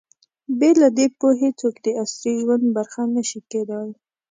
بې له دې پوهې، څوک د عصري ژوند برخه نه شي کېدای.